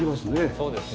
そうですね。